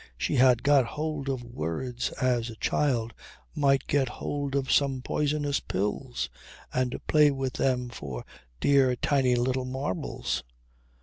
She had got hold of words as a child might get hold of some poisonous pills and play with them for "dear, tiny little marbles."